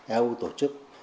eu tổ chức